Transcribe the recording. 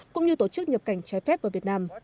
cũng như tổ chức nhập cảnh trái phép vào việt nam